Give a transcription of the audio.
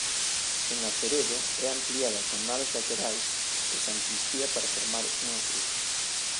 En Aceredo é ampliada con naves laterais e sancristía para formar unha cruz.